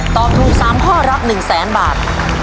ตอบถูก๓ข้อรับ๑๐๐๐๐๐บาท